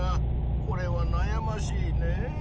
これはなやましいねぇ。